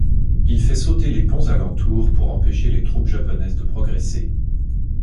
Il fait sauter les ponts alentour pour empêcher les troupes japonaises de progresser.